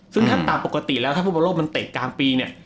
ซึ่งถ้าตามปกติแล้วถ้าฟุตบอลโลกมันเตะกลางปีเนี่ย